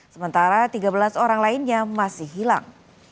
sementara tiga belas orang lainnya masih hilang